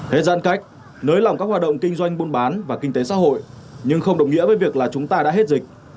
thế gian cách nới lỏng các hoạt động kinh doanh buôn bán và kinh tế xã hội nhưng không đồng nghĩa với việc là chúng ta đã hết dịch